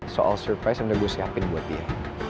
soal surprise yang udah gue siapin buat dia